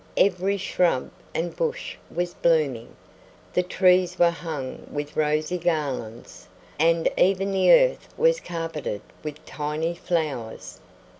Every shrub and bush was blooming; the trees were hung with rosy garlands, and even the earth was carpeted with tiny flowers.